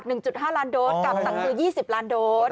บริจาค๑๕ล้านโดดกับสังเกตุ๒๐ล้านโดด